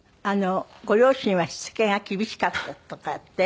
ご両親はしつけが厳しかったとかって？